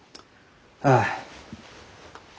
ああ。